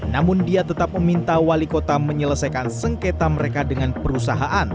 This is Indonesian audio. namun dia tetap meminta wali kota menyelesaikan sengketa mereka dengan perusahaan